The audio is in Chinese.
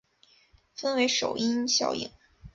分为首因效应。